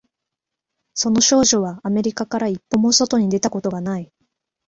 その少女はアメリカから一歩も外に出たことがない